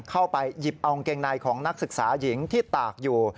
เข้าไปหยิบเอากางเกงในของนักศึกษาหญิงที่ตากอยู่